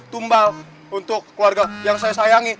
tumbal untuk keluarga yang saya sayangi